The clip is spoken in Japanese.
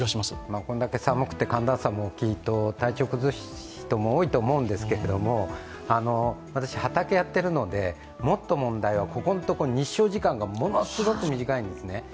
こんだけ寒くて寒暖差が大きいと体調崩す人も多いと思うんですけど私、畑をやっているので、もっと問題はここのところ日照時間がものすごく短いんですね。